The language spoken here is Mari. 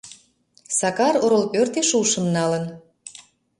Сакар орол пӧртеш ушым налын.